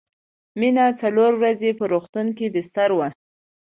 مينه څلور ورځې په روغتون کې بستر وه